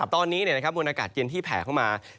ตอนนี้มวลอากาศเย็นที่แผ่เข้ามา